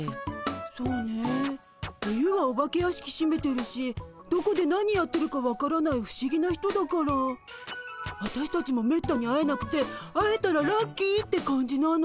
そうね冬はお化け屋敷しめてるしどこで何やってるか分からない不思議な人だからあたしたちもめったに会えなくて会えたらラッキーって感じなの。